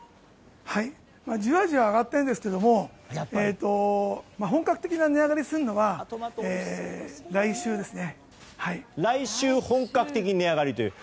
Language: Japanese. じわじわ上がっていますが本格的に値上がりするのは来週、本格的に値上がりする。